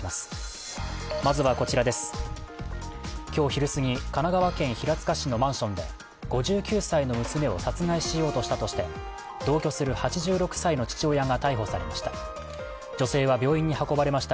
今日昼すぎ神奈川県平塚市のマンションで５９歳の娘を殺害しようとしたとして、同居する８６歳の父親が逮捕されました。